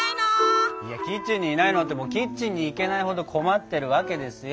いやキッチンにいないのってキッチンに行けないほど困ってるわけですよ。